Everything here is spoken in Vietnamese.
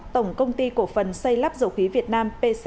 tổng công ty cổ phần xây lắp dầu khí việt nam pc